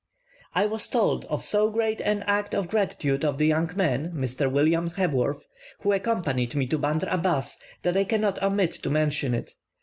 I was told of so great an act of gratitude of the young man, Mr. William Hebworth, who accompanied me to Bandr Abas, that I cannot omit to mention it.